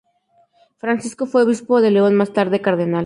Francisco fue Obispo de León y más tarde Cardenal.